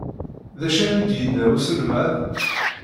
D acu ay am-d-yenna uselmad?